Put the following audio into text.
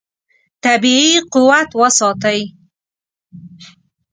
طبیعي قوت وساتئ.